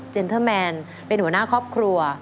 เทอร์แมนเป็นหัวหน้าครอบครัว